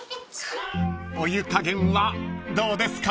［お湯加減はどうですか？］